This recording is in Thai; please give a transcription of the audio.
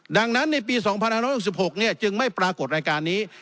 ดังนั้นในปี๒๑๖๖จึงไม่ปรากฏรายการนี้